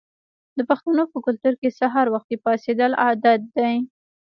د پښتنو په کلتور کې سهار وختي پاڅیدل عادت دی.